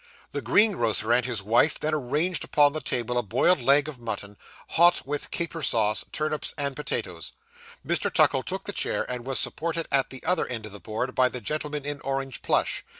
The greengrocer and his wife then arranged upon the table a boiled leg of mutton, hot, with caper sauce, turnips, and potatoes. Mr. Tuckle took the chair, and was supported at the other end of the board by the gentleman in orange plush.